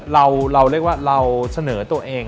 เราเรียกว่าเราเสนอตัวเอง